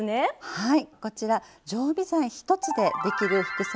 はい。